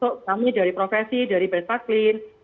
kami dari profesi dari bestaklin